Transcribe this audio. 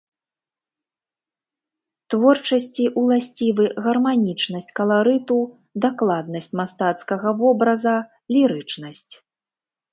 Творчасці ўласцівы гарманічнасць каларыту, дакладнасць мастацкага вобраза, лірычнасць.